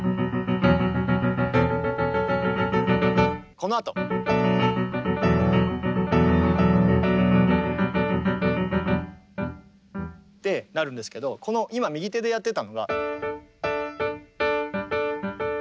このあと。ってなるんですけどこの今右手でやってたのが。